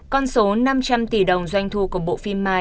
con số năm trăm linh tỷ đồng doanh thu của bộ phim mai